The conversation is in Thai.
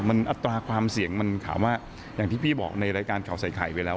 มันอัตราความเสี่ยงมันถามว่าอย่างที่พี่บอกในรายการข่าวใส่ไข่ไปแล้ว